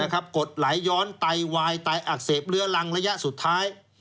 กดไหลย้อนไตวายไตอักเสบเลื้อรังระยะสุดท้าย